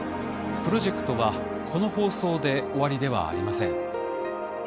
プロジェクトはこの放送で終わりではありません。